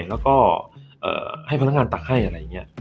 แล้วก็ให้พนักงานตักให้อะไรอย่างนี้